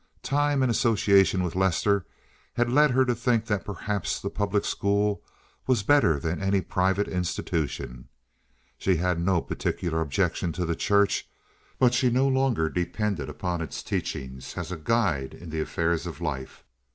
Time and association with Lester had led her to think that perhaps the public school was better than any private institution. She had no particular objection to the church, but she no longer depended upon its teachings as a guide in the affairs of life.